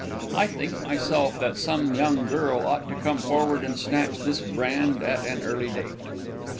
I think myself that some young girl ought to come forward and snatch this brand at an early date.